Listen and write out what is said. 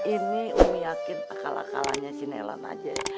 ini umi yakin kalah kalahnya si nelan aja